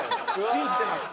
信じてます。